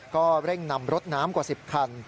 ก็เร่งนำรถน้ำกว่า๑๐คัน